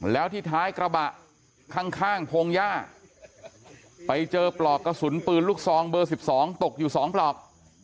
แล้วที่ท้ายกระบะข้างพงหญ้าไปเจอปลอกกระสุนปืนลูกซองเบอร์๑๒ตกอยู่๒ปลอก